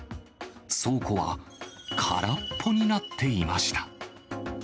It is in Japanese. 倉庫は空っぽになっていました。